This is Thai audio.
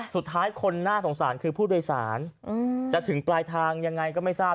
สุดท้ายคนน่าสงสารคือผู้โดยสารจะถึงปลายทางยังไงก็ไม่ทราบ